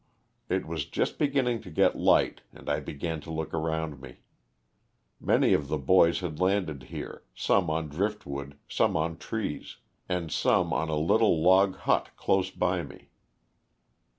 It was just beginning to get light and I began to look around me. Many of the boys had landed here, some on drift wood, some on trees, and some on a little log hut close by me.